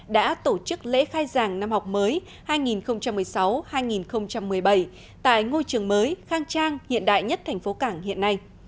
đã tổ chức lễ khai giảng năm học mới hai nghìn một mươi sáu hai nghìn một mươi bảy tại ngôi trường mới khang trang hiện đại nhất thành phố cảng hiện nay